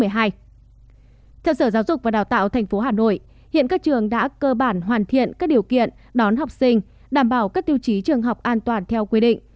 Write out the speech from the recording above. theo sở giáo dục và đào tạo tp hà nội hiện các trường đã cơ bản hoàn thiện các điều kiện đón học sinh đảm bảo các tiêu chí trường học an toàn theo quy định